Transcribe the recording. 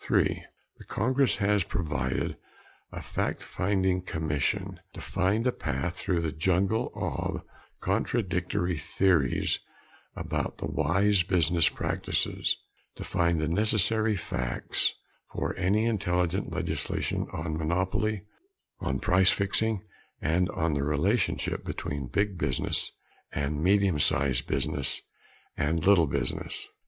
(3) The Congress has provided a fact finding Commission to find a path through the jungle of contradictory theories about the wise business practices to find the necessary facts for any intelligent legislation on monopoly, on price fixing and on the relationship between big business and medium sized business and little business.